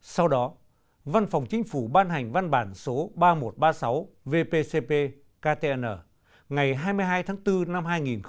sau đó văn phòng chính phủ ban hành văn bản số ba nghìn một trăm ba mươi sáu vpcp ktn ngày hai mươi hai tháng bốn năm hai nghìn một mươi chín